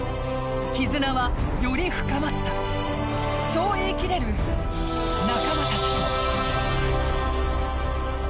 絆は、より深まったそう言い切れる仲間たち。